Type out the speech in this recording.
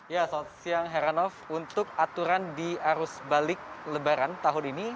ya selamat siang heranov untuk aturan di arus balik lebaran tahun ini